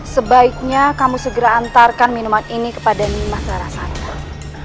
sebaiknya kamu segera antarkan minuman ini kepada nyima serara santang